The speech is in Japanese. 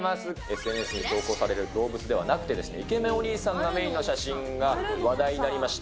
ＳＮＳに投稿される動物じゃなくて、イケメンお兄さんがメインの写真が話題になりました。